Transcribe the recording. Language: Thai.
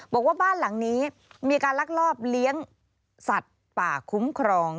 บอกว่าบ้านหลังนี้มีการลักลอบเลี้ยงสัตว์ป่าคุ้มครอง